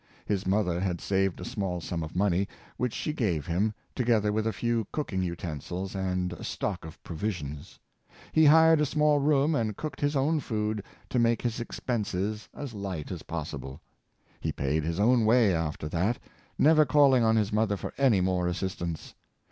His mother had saved a small sum of money, which she gave him, together with a few cooking utensils and a stock of provisions. He hired a small room and cooked his own food to make his expenses as light as possible. He paid his own way after that, never calling on his mother for any more assistance.